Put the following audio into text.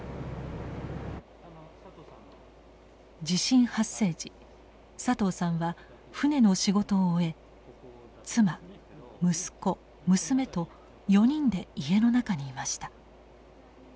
地震発生時佐藤さんは船の仕事を終え妻息子娘と４人で家の中にいました。